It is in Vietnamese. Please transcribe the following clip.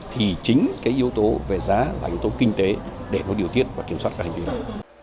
thì chính cái yếu tố về giá và yếu tố kinh tế để nó điều tiết và kiểm soát các hành vi này